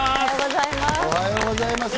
おはようございます。